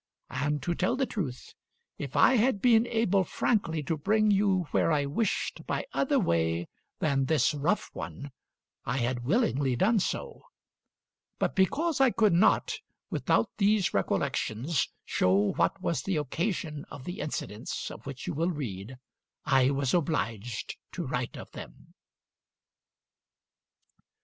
And to tell the truth, if I had been able frankly to bring you where I wished by other way than this rough one, I had willingly done so; but because I could not, without these recollections, show what was the occasion of the incidents of which you will read, I was obliged to write of them."